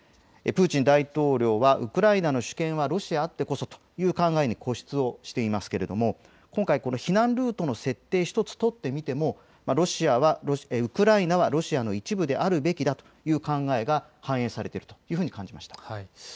プーチン大統領は、ウクライナの主権はロシアあってこそという考えに固執をしていますけれども今回この避難ルートの設定１つ取ってみてもロシアはウクライナはロシアの一部であるべきだという考えが反映されているというふうに思いました。